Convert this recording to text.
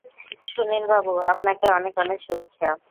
সুনীল বাবু, আপনাকে অনেক অনেক শুভেচ্ছা!